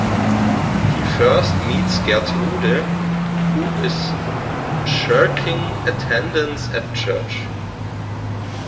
He first meets Gertrude, who is shirking attendance at church.